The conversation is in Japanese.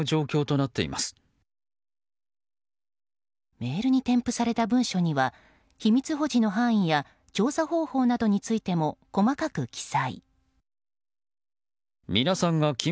メールに添付された文書には秘密保持の範囲や調査方法などについても細かく記載。